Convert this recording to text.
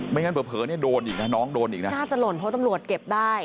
งั้นเผลอเนี่ยโดนอีกนะน้องโดนอีกนะน่าจะหล่นเพราะตำรวจเก็บได้